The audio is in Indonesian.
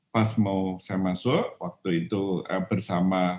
pas mau saya masuk waktu itu bersama pak nyuman swide